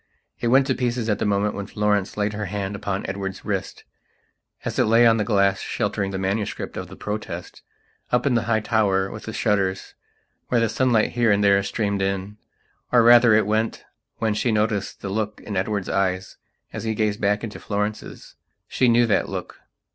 It went to pieces at the moment when Florence laid her hand upon Edward's wrist, as it lay on the glass sheltering the manuscript of the Protest, up in the high tower with the shutters where the sunlight here and there streamed in. Or, rather, it went when she noticed the look in Edward's eyes as he gazed back into Florence's. She knew that look.